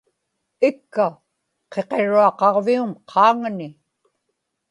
ikka qiqiruaqaġvium qaaŋani